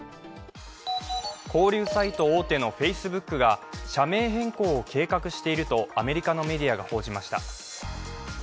交流サイト大手のＦａｃｅｂｏｏｋが社名変更を計画しているとアメリカのメディアが報じました。